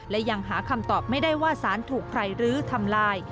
และยังหาคำตอบไม่ได้ว่าสารถูกใครลื้อทำลาย